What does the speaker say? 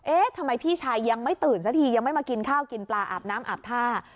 ทำไมพี่ชายยังไม่ตื่นสักทียังไม่มากินข้าวกินปลาอาบน้ำอาบท่า